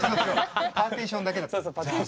パーテーションだけだったの。